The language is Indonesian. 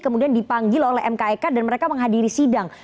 kemudian dipanggil oleh mkek dan mereka menghadiri sidang